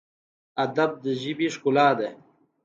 ادب د ژبې ښکلا ده